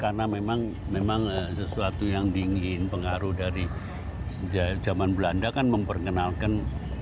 karena memang sesuatu yang dingin pengaruh dari zaman belanda kan memperkenalkan